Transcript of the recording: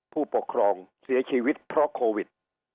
ผู้ปกครองเสียชีวิตเพราะโควิด